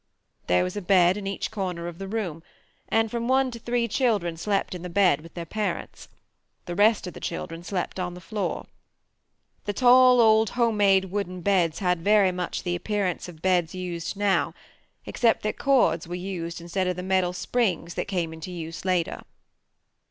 There was a bed in each corner of the room and from one to three children slept in the bed with their parents: the rest of the children slept on the floor. The tall old home made wooden beds had very much the appearance of beds used now, except that cords were used instead of the metal springs that came into use later.